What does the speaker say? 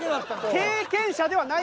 経験者ではない。